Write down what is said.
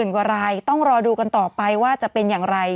กว่ารายต้องรอดูกันต่อไปว่าจะเป็นอย่างไร